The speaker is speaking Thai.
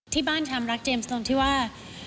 ที่บ้านทำรักเจมส์ตรงที่ว่า